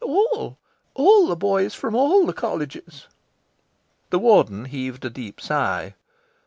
"All. All the boys from all the Colleges." The Warden heaved a deep sigh.